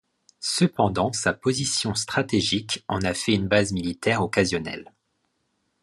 Cependant, sa position stratégique en a fait une base militaire occasionnelle.